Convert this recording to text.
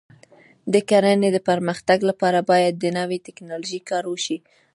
د کرنې د پرمختګ لپاره باید د نوې ټکنالوژۍ کار وشي.